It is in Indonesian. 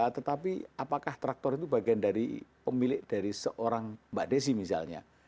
tetapi apakah traktor itu bagian dari pemilik dari seorang mbak desi misalnya